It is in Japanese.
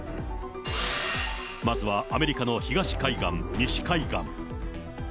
まずはアメリカの東海岸、西海岸。